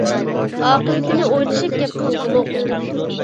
ئاقىۋىتىنى ئويلىشىپ گەپ قىلغۇلۇق!